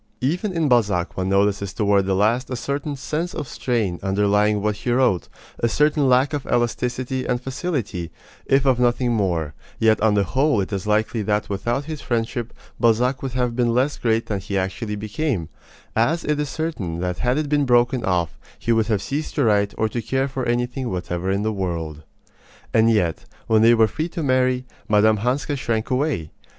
Even in Balzac one notices toward the last a certain sense of strain underlying what he wrote, a certain lack of elasticity and facility, if of nothing more; yet on the whole it is likely that without this friendship Balzac would have been less great than he actually became, as it is certain that had it been broken off he would have ceased to write or to care for anything whatever in the world. And yet, when they were free to marry, Mme. Hanska shrank away.